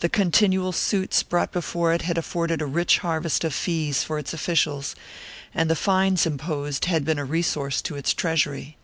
The continual suits brought before it had afforded a rich harvest of fees for its officials and the fines imposed had been a resource to its treasury.